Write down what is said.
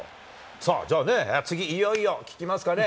さあ、じゃあね、次、いよいよ聞きますかね。